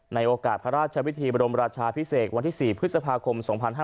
ในโอกาสพระราชวิธีบรมราชาพิเศษวันที่๔พฤษภาคม๒๕๕๙